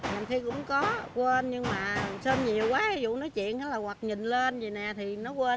mình khi cũng có quên nhưng mà xôm nhiều quá ví dụ nói chuyện hoặc nhìn lên như thế này thì nó quên